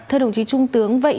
thưa đồng chí trung tướng